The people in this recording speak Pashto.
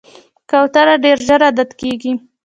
کوتره ډېر ژر عادت کېږي.